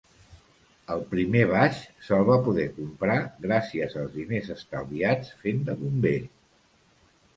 El primer baix se'l va poder comprar gràcies als diners estalviats fent de bomber.